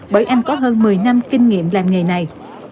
bởi anh có hơn một mươi năm kinh nghiệm làm nghề này